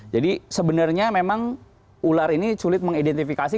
jadi sebenarnya memang ular ini sulit mengidentifikasi